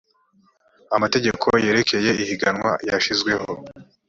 amategeko yerekeye ihiganwa yashyizweho